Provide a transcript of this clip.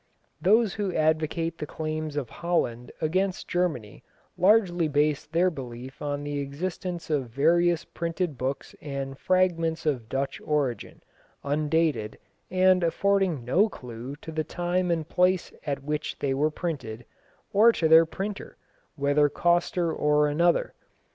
Those who advocate the claims of Holland against Germany largely base their belief on the existence of various printed books and fragments of Dutch origin, undated, and affording no clue to the time and place at which they were printed, or to their printer, whether Coster or another.